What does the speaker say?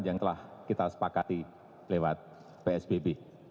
yang telah kita sepakati lewat psbb